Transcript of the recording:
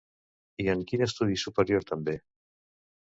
I en quin estudi superior també?